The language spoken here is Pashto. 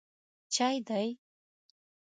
_چای دی؟